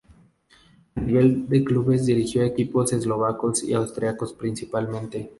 A nivel de clubes dirigió a equipos eslovacos y austriacos, principalmente.